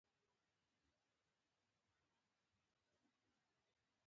احمد خپل څادر سور کړ دی.